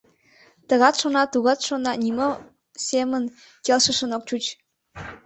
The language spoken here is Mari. Тыгат шона, тугат шона, нимо семын келшышын ок чуч.